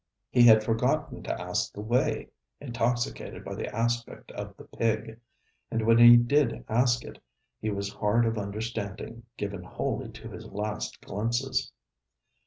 He had forgotten to ask the way, intoxicated by the aspect of the pig; and when he did ask it, he was hard of understanding, given wholly to his last glimpses.